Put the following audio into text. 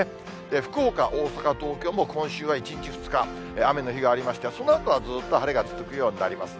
福岡、大阪、東京も今週は１日、２日、雨の日がありまして、そのあとは、ずっと晴れが続くようになります。